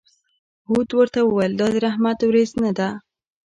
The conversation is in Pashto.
هود ورته وویل: دا د رحمت ورېځ نه ده.